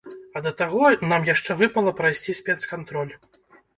А да таго нам яшчэ выпала прайсці спецкантроль.